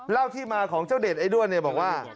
เล่าที่มาของเจ้าเด็ดไอ้ด้วนเนี่ยบอกว่า